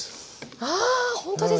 あほんとですね。